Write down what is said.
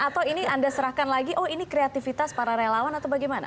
atau ini anda serahkan lagi oh ini kreativitas para relawan atau bagaimana